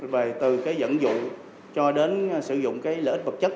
về từ dẫn dụ cho đến sử dụng lợi ích vật chất